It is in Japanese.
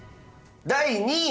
第２位。